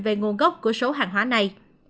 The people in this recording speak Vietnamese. về nguồn gốc của số hàng hóa này